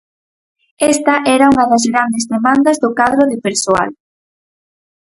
Esta era unha das grandes demandas do cadro de persoal.